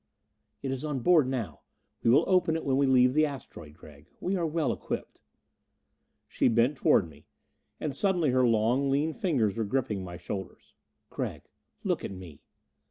"It is on board now. We will open it when we leave the asteroid, Gregg. We are well equipped." She bent toward me. And suddenly her long lean fingers were gripping my shoulders. "Gregg, look at me!"